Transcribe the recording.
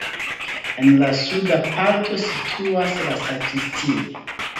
En la suda parto situas la sakristio.